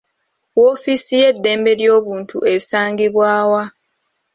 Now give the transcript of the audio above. Woofiisi y'eddembe ly'obuntu esangibwa wa?